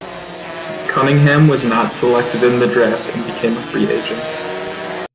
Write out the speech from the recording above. Cunningham was not selected in the draft and became a free agent.